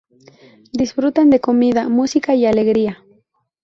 Disfrutan de comida, música y alegría.